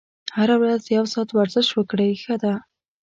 هره ورځ یو ساعت ورزش وکړئ ښه ده.